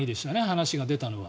話が出たのは。